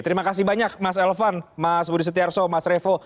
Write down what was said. terima kasih banyak mas elvan mas budi setiarso mas revo